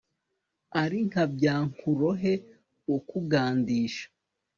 ari nkabyankurohe ukugandisha